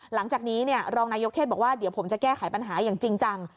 หลังจากนี้บอกว่าเดี๋ยวผมจะแก้ไขปัญหาอย่างจริงจัง